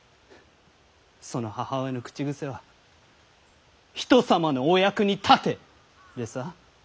その母親の口癖は「人様のお役に立て」でさ。